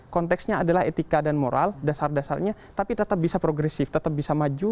konteksnya adalah etika dan moral dasar dasarnya tapi tetap bisa progresif tetap bisa maju